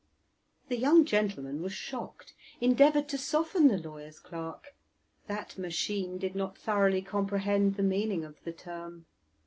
The young gentleman was shocked, endeavoured to soften the lawyer's clerk; that machine did not thoroughly comprehend the meaning of the term.